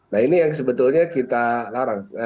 nah ini yang sebetulnya kita larang